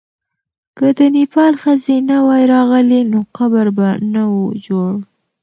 که د نېپال ښځې نه وای راغلې، نو قبر به نه وو جوړ.